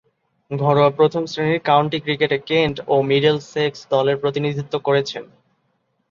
ঘরোয়া প্রথম-শ্রেণীর কাউন্টি ক্রিকেটে কেন্ট ও মিডলসেক্স দলের প্রতিনিধিত্ব করেছেন।